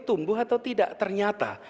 tumbuh atau tidak ternyata